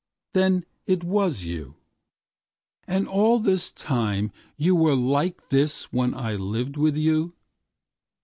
—Then it was you—And all this time you wereLike this when I lived with you.